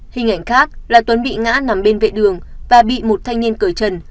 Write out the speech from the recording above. hình ảnh khác lại tuấn bị ngã nằm bên vệ đường và bị một thanh niên cởi chân